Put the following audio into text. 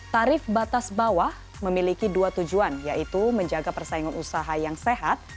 tarif batas bawah memiliki dua tujuan yaitu menjaga persaingan usaha yang sehat